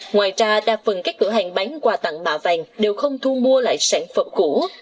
ngoài ra đa phần các cửa hàng bán quà tặng mà vàng đều không thu mua lại sản phẩm cũ